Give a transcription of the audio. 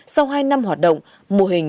sau hai năm hoạt động mô hình